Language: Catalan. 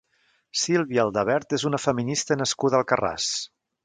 Sílvia Aldabert és una feminista nascuda a Alcarràs.